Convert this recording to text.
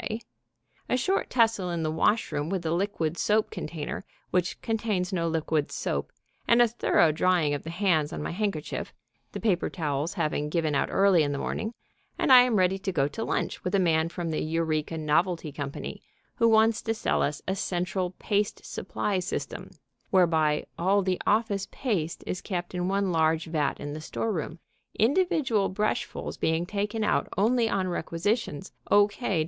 K.; a short tussle in the washroom with the liquid soap container which contains no liquid soap and a thorough drying of the hands on my handkerchief, the paper towels having given out early in the morning, and I am ready to go to lunch with a man from the Eureka Novelty Company who wants to sell us a central paste supply system (whereby all the office paste is kept in one large vat in the storeroom, individual brushfuls being taken out only on requisitions O.K.'